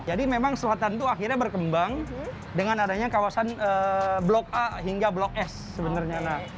memang selatan itu akhirnya berkembang dengan adanya kawasan blok a hingga blok s sebenarnya